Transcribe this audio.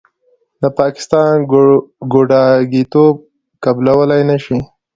د پاکستان ګوډاګیتوب قبلولې نشي.